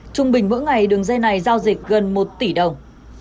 trung bình mỗi ngày đường dây này giao dịch gần một tỷ đồng